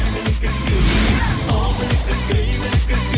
โอ้มันก็เกมมันก็เกมมันก็เกม